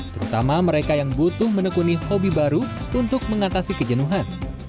terutama mereka yang butuh menekuni hobi baru untuk mengatasi kejenuhan